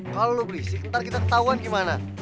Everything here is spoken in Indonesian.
kalau lo berisik ntar kita ketauan gimana